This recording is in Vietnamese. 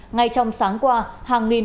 ngay trong sáng qua hàng nghìn